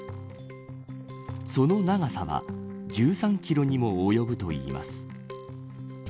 その長さは１３キロにも及ぶといいます。